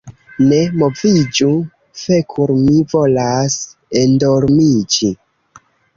Ne moviĝu fekul' mi volas endormiĝi